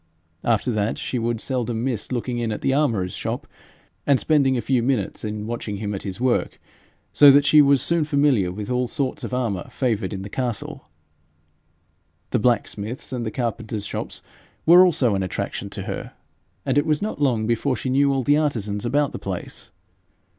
After that she would seldom miss looking in at the armourer's shop, and spending a few minutes in watching him at his work, so that she was soon familiar with all sorts of armour favoured in the castle. The blacksmiths' and the carpenters' shops were also an attraction to her, and it was not long before she knew all the artisans about the place.